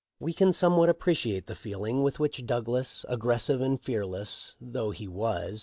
409 We can somewhat appreciate the feeling with which Douglas, aggressive and fearless though he was.